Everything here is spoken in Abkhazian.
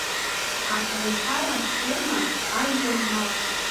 Аколнхара аферма, ажәлар рмал…